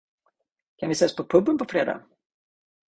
Kan vi ses på puben på fredag?